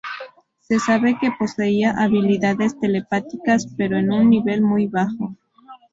Se sabe que poseía habilidades telepáticas, pero en un nivel muy bajo.